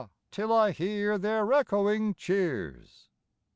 Till I hear their echoing cheers.